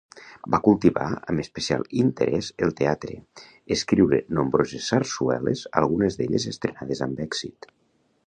Va cultivar amb especial interés el teatre, escriure nombroses sarsueles, algunes d'elles estrenades amb èxit.